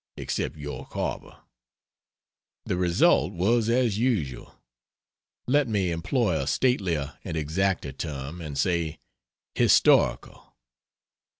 Except York Harbor. The result was as usual; let me employ a statelier and exacter term, and say, historical.